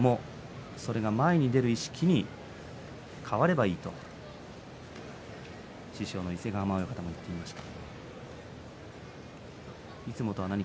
それが前に出る意識に変わればいいと師匠の伊勢ヶ濱親方は言っていました。